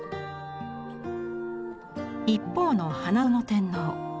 一方の花園天皇。